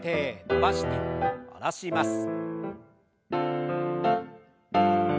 伸ばして下ろします。